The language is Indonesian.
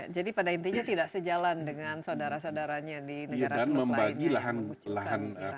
jadi pada intinya tidak sejalan dengan saudara saudaranya di negara teluk lainnya yang memucukkan iran